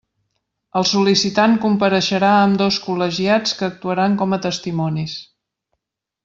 El sol·licitant compareixerà amb dos col·legiats que actuaran com a testimonis.